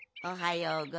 おはよう！